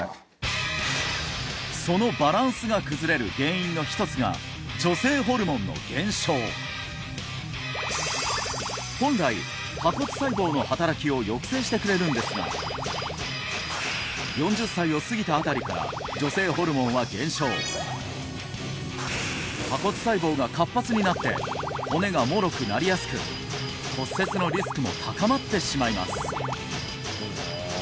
そのバランスが崩れる原因の一つが本来４０歳を過ぎたあたりから女性ホルモンは減少破骨細胞が活発になって骨がもろくなりやすく骨折のリスクも高まってしまいます